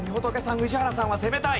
宇治原さんは攻めたい。